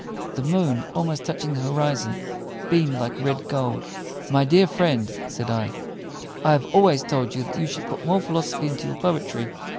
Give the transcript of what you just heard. The moon, almost touching the horizon, beamed like red gold. "My dear friend," said I, "I have always told you that you should put more philosophy into your poetry.